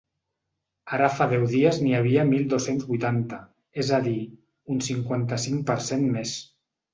Ara fa deu dies n’hi havia mil dos-cents vuitanta, és a dir, un cinquanta-cinc per cent més.